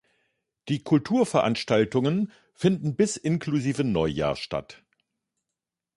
Die Kulturveranstaltungen finden bis inklusive Neujahr statt.